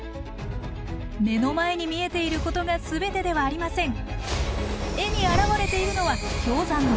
目の前に見えていることが全てではありません！